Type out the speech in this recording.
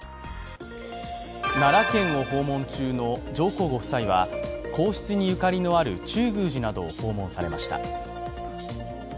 奈良県を訪問中の上皇ご夫妻は、皇室にゆかりのある中宮寺などを訪問されました。